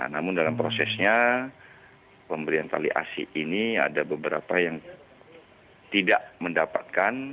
namun dalam prosesnya pemberian tali asi ini ada beberapa yang tidak mendapatkan